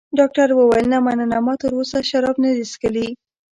ډاکټر وویل: نه، مننه، ما تراوسه شراب نه دي څښلي.